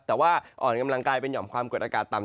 แต่ว่าอ่อนกำลังกายเป็นหอมความกดอากาศต่ำ